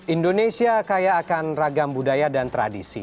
indonesia kaya akan ragam budaya dan tradisi